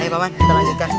ya pak man kita lanjutkan